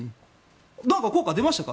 何か効果出ましたか？